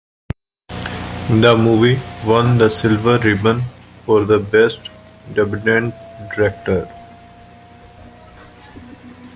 The movie won the Silver Ribbon for the best debutant director.